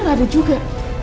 mona gak ada juga